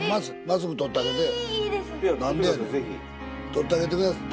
取ってあげてください